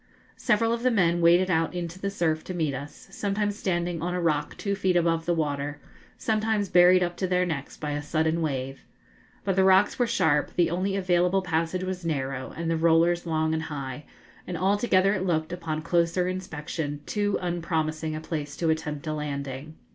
Several of the men waded out into the surf to meet us, sometimes standing on a rock two feet above the water, sometimes buried up to their necks by a sudden wave. But the rocks were sharp, the only available passage was narrow, and the rollers long and high; and altogether it looked, upon a closer inspection, too unpromising a place to attempt a landing.